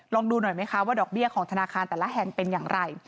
ลองดูหน่อยไหมคะว่าดอกเบี้ยของธนาคารแต่ละแห่งเป็นอย่างไร